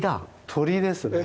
鳥ですね。